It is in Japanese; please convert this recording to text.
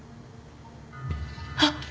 あっ！